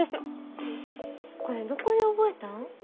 これどこで覚えたん？